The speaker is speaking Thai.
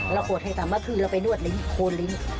เราโหดให้ต่ำมากื้อเราไปนวดลิ้นโคนลิ้น